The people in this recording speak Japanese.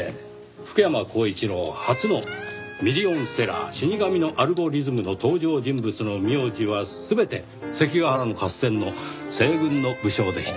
福山光一郎初のミリオンセラー『死神のアルゴリズム』の登場人物の名字は全て関ヶ原の合戦の西軍の武将でした。